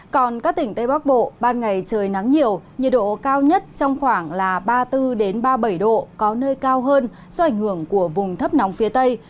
còn các tỉnh tây bắc bộ ban ngày trời nắng nhiều nhiệt độ cao nhất trong khoảng ba mươi bốn ba mươi bảy độ có nơi cao hơn do ảnh hưởng của vùng thấp nóng phía tây